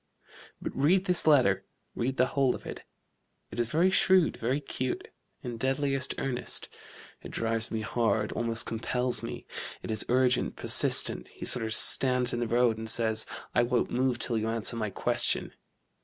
] But read this letter read the whole of it: it is very shrewd, very cute, in deadliest earnest: it drives me hard, almost compels me it is urgent, persistent: he sort of stands in the road and says 'I won't move till you answer my question.'